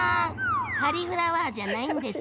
カリフラワーじゃないんですね。